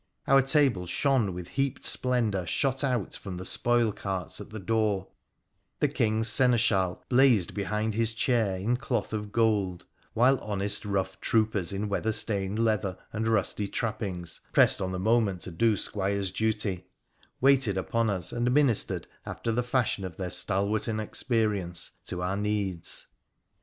Our table shone with heaped splendour shot out from the spoil carts at the door ; the King's seneschal blazed behind his chair in cloth of gold ; while honest rough troopers in weather stained leather and rusty trappings (pressed on the moment to do squires' duty) waited upon us, and ministered, after the fashion of their stalwart inexperience, to our needs.